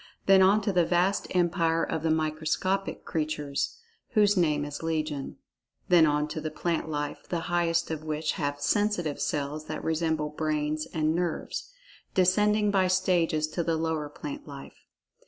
Then on to the vast empire of the microscopic creatures, whose name is legion. Then on to the plant life, the highest of which have "sensitive cells" that resemble brains and nerves—descending by stages to the lower plant life.